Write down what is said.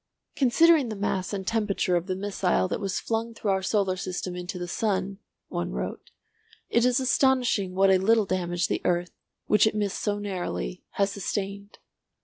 "Considering the mass and temperature of the missile that was flung through our solar system into the sun," one wrote, "it is astonishing what a little damage the earth, which it missed so narrowly, has sustained.